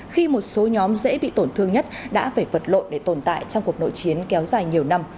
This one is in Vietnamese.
khi một số nhóm dễ bị tổn thương nhất đã phải vật lộn để tồn tại trong cuộc nội chiến kéo dài nhiều năm